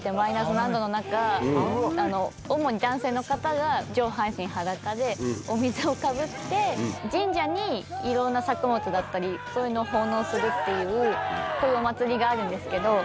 何℃の中主に男性の方が上半身裸でお水をかぶって神社にいろんな作物だったりそういうのを奉納するっていうこういうお祭りがあるんですけど。